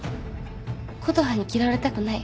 琴葉に嫌われたくない。